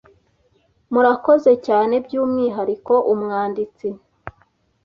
murakoze cyane by'umwihariko umwanditsi ,